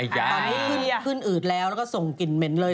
ตอนนี้ขึ้นอืดแล้วแล้วก็ส่งกลิ่นเหม็นเลย